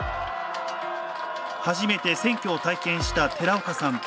初めて選挙を体験した寺岡さん。